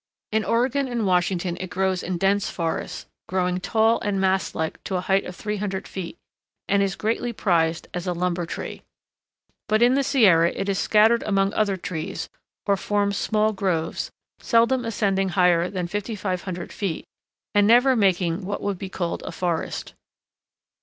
In Oregon and Washington it grows in dense forests, growing tall and mast like to a height of 300 feet, and is greatly prized as a lumber tree. But in the Sierra it is scattered among other trees, or forms small groves, seldom ascending higher than 5500 feet, and never making what would be called a forest.